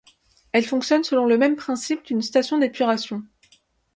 Elle fonctionne selon le même principe qu'une station d’épuration.